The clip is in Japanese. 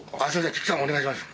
キックさんお願いします。